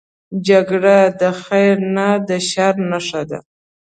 جګړه د خیر نه، د شر نښه ده